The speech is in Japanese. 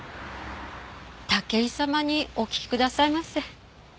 武井様にお聞きくださいませ。